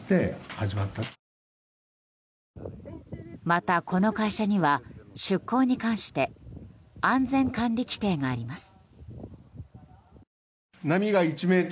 また、この会社には出航に関して安全管理規程があります。